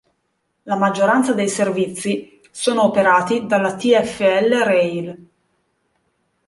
La maggioranza dei servizi sono operati dalla TfL Rail.